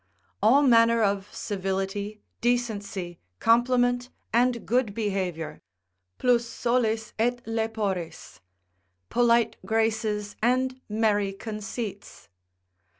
All manner of civility, decency, compliment and good behaviour, plus solis et leporis, polite graces and merry conceits.